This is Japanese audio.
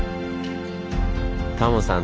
タモさん